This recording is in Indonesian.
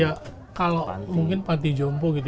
ya mungkin pantai jompo